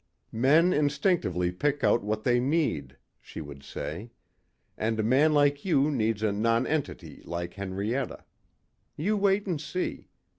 "Men instinctively pick out what they need," she would say. "And a man like you needs a nonentity like Henrietta. You wait and see.